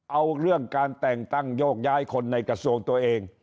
เอาเรื่องการแต่งตั้งโยกย้ายคนในกระทรวงตัวเอง